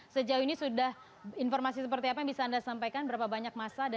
sejauh ini sudah informasi seperti apa yang bisa anda sampaikan berapa banyak massa